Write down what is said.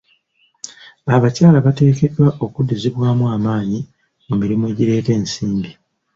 Abakyala bateekeddwa okuddizibwamu amaanyi mu mirimu egireeta ensimbi.